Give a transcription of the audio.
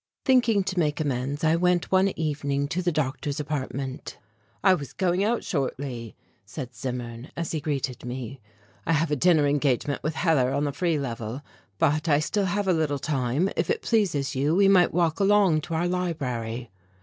Thinking to make amends I went one evening to the doctor's apartment. "I was going out shortly," said Zimmern, as he greeted me. "I have a dinner engagement with Hellar on the Free Level. But I still have a little time; if it pleases you we might walk along to our library."